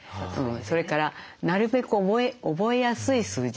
それからなるべく覚えやすい数字。